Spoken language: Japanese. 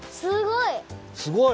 すごい！